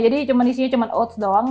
jadi isinya cuman oats doang